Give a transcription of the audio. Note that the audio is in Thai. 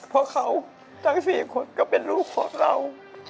เพราะเขาทั้ง๔คนก็เป็นลูกของเรา